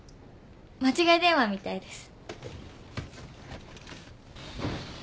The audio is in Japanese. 間違い電話みたいです。